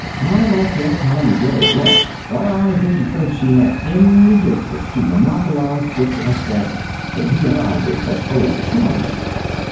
I liked Aunt Tommy very well, but I didn't think she had any business to monopolize Dick like that when he and I were such old chums.